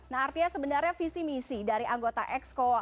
nah artinya sebenarnya visi misi dari anggota exco